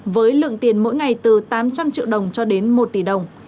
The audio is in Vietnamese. với lượng tiền mỗi ngày từ tám trăm linh triệu đồng cho đến một tỷ đồng